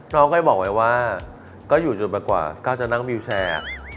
น้องก็บอกไว้ว่าก็อยู่จนไปกว่าก้าวจะนั่งวิวแชร์อะ